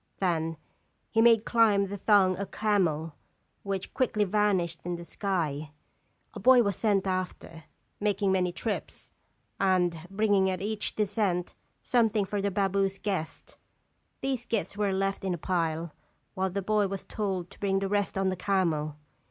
Then he made climb the thong a camel, which quickly vanished in the sky ; a boy was sent after, making many trips, and bringing at each descent something for the baboo's guests. These gifts were left in a pile, while the boy was told to bring the rest on the camel.